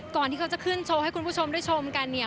ที่เขาจะขึ้นโชว์ให้คุณผู้ชมได้ชมกันเนี่ย